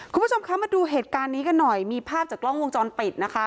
คุณผู้ชมคะมาดูเหตุการณ์นี้กันหน่อยมีภาพจากกล้องวงจรปิดนะคะ